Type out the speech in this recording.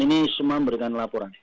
dan ini semua memberikan laporan